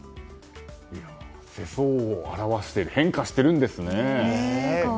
世相を表している変化しているんですね。